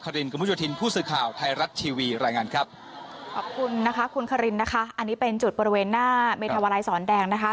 ขอบคุณนะคะคุณขอบคุณนะคะอันนี้เป็นจุดบริเวณหน้าเมธวรายสอนแดงนะคะ